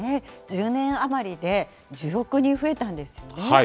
１０年余りで１０億人増えたんですよね。